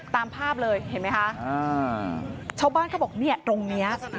ตามภาพเลยเห็นไหมคะชาวบ้านเขาบอกเนี่ยตรงเนี้ย